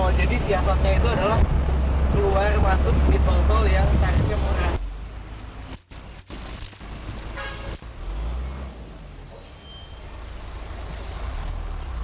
oh jadi siasatnya itu adalah keluar masuk di tol tol yang tarifnya murah